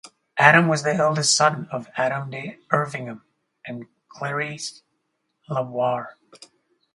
Adam was the eldest son of Adam de Everingham and Clarice la Warre.